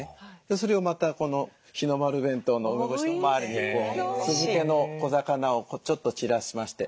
それをまたこの「日の丸弁当」の梅干しの周りに酢漬けの小魚をちょっと散らしまして。